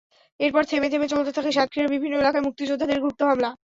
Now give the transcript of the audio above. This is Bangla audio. এরপর থেমে থেমে চলতে থাকে সাতক্ষীরার বিভিন্ন এলাকায় মুক্তিযোদ্ধাদের গুপ্ত হামলা।